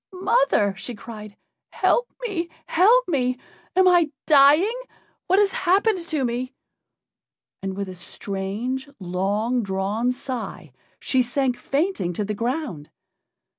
mother!" she cried, "help me! help me! Am I dying? What has happened to me?" And, with a strange, long drawn sigh she sank fainting to the ground.